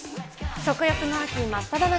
食欲の秋真っただ中。